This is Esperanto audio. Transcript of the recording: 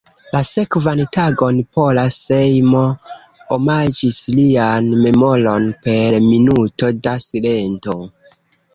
La sekvan tagon Pola Sejmo omaĝis lian memoron per minuto da silento.